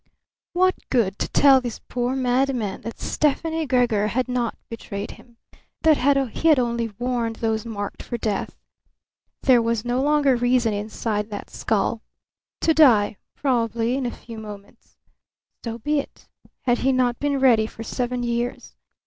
What good to tell this poor madman that Stefani Gregor had not betrayed him, that he had only warned those marked for death? There was no longer reason inside that skull. To die, probably in a few moments. So be it. Had he not been ready for seven years?